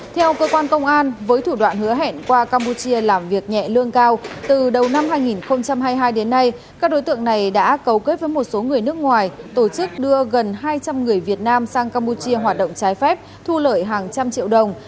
theo cơ quan công an với thủ đoạn hứa hẹn qua campuchia làm việc nhẹ lương cao từ đầu năm hai nghìn hai mươi hai đến nay các đối tượng này đã cấu kết với một số người nước ngoài tổ chức đưa gần hai trăm linh người việt nam sang campuchia hoạt động trái phép thu lợi hàng trăm triệu đồng